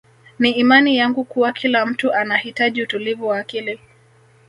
Ni imani yangu kuwa kila mtu anahitaji utulivu wa akili